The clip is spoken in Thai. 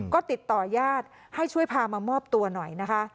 ก็ติดต่อญาติให้ช่วยพามามอบตัวหน่อยนะคะ